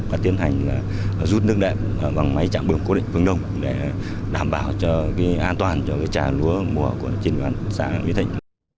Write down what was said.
và tiến hành rút nước đẹp bằng máy trạm bơm cố định phương đồng để đảm bảo an toàn cho trà lúa mùa của diện đoàn xã mỹ thành